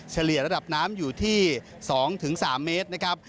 เฉลี่ยระดับน้ำอยู่ที่๒๓เมตรนะครับ